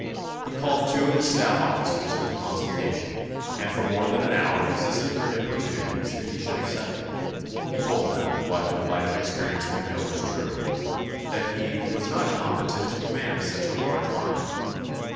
He called two of his staff officers into consultation, and for more than an hour resisted SiSSfy, their importunities that he should accept it ; he co^iStee told them, what in the light of experience we of the°\var! kuow was truc, that he "was not competent to p. 650."' command such a large army."